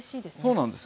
そうなんです。